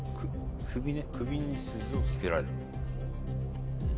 首に鈴を付けられる。